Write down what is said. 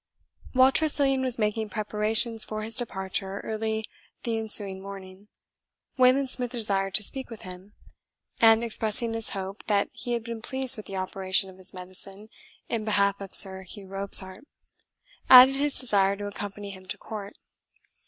While Tressilian was making preparations for his departure early the ensuing morning, Wayland Smith desired to speak with him, and, expressing his hope that he had been pleased with the operation of his medicine in behalf of Sir Hugh Robsart, added his desire to accompany him to court.